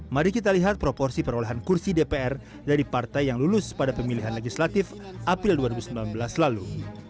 mari kita lihat proporsi perolehan kursi dpr dari partai yang lulus pada pemilihan legislatif april dua ribu sembilan belas lalu